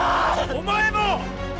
お前も！